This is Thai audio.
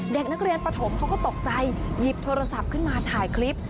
เด็กนักเรียนปฐมเขาก็ตกใจหยิบโทรศัพท์ขึ้นมาถ่ายคลิป